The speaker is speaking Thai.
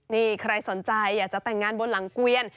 นี่ใครสนใจอยากจะแต่งงานบนหลังเกวียน